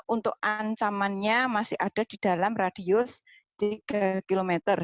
untuk ancamannya masih ada di dalam radius tiga km